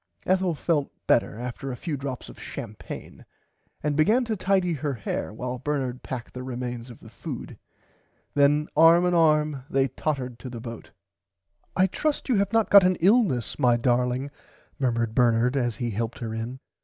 Ethel felt better after a few drops of champagne and began to tidy her hair while Bernard packed the remains of the food. Then arm in arm they tottered to the boat. I trust you have not got an illness my darling murmured Bernard as he helped her in.